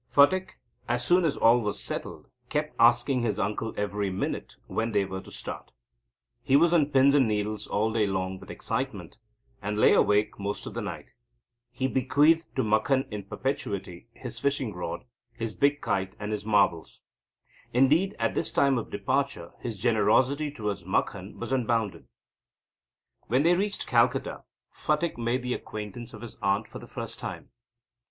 Phatik, as soon as all was settled, kept asking his uncle every minute when they were to start. He was on pins and needles all day long with excitement, and lay awake most of the night. He bequeathed to Makhan, in perpetuity, his fishing rod, his big kite and his marbles. Indeed, at this time of departure his generosity towards Makhan was unbounded. When they reached Calcutta, Phatik made the acquaintance of his aunt for the first time.